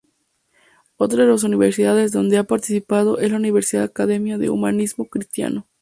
Otra de las universidades donde ha participado es la Universidad Academia de Humanismo Cristiano.